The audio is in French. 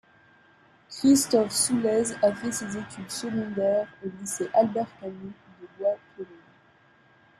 Christophe Soullez a fait ses études secondaires au lycée Albert Camus de Bois-Colombes.